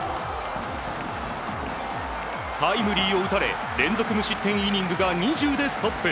タイムリーを打たれ連続無失点イニングが２０でストップ。